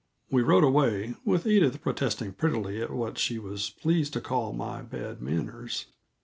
We rode away, with Edith protesting prettily at what she was pleased to call my bad manners.